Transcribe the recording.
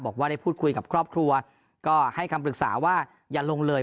บอกว่าได้พูดคุยกับครอบครัวก็ให้คำปรึกษาว่าอย่าลงเลย